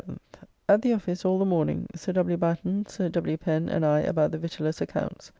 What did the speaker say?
At the office all the morning, Sir W. Batten, Sir W. Pen, and I about the Victualler's accounts.